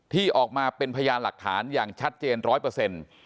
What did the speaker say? ที่ออกมาเป็นพยานหลักฐานอย่างชัดเจน๑๐๐